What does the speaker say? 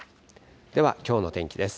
では、きょうの天気です。